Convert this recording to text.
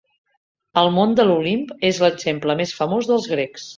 El Mont de l'Olimp és l'exemple més famós dels grecs.